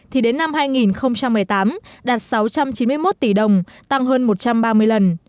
thì đến năm hai nghìn một mươi tám đạt sáu trăm chín mươi một tỷ đồng tăng hơn một trăm ba mươi lần